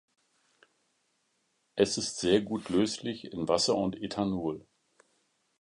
Es ist sehr gut löslich in Wasser und Ethanol.